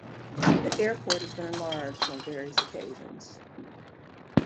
The airport has been enlarged on various occasions.